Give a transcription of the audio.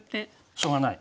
しょうがない。